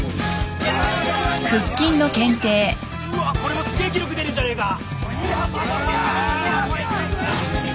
うわっこれもすげえ記録出るんじゃねえか？